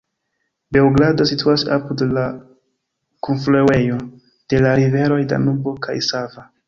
Beogrado situas apud la kunfluejo de la riveroj Danubo kaj Sava.